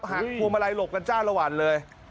หักพวงมาลัยหลบกันจ้าละวันเลย